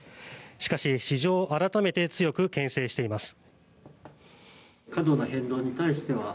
しかし、市場を改めて強くけん制しています。